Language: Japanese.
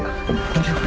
大丈夫？